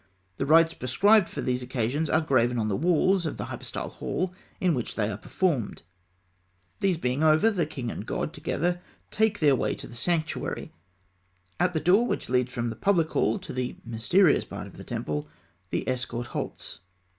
The rites prescribed for these occasions are graven on the walls of the hypostyle hall in which they were performed. These being over, king and god together take their way to the sanctuary. At the door which leads from the public hall to the mysterious part of the temple, the escort halts.